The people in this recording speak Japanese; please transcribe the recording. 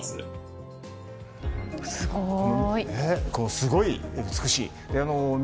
すごい美しい。